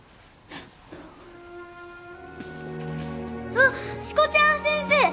あっしこちゃん先生！